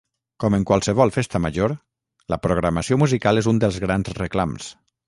Com en qualsevol festa major, la programació musical és un dels grans reclams.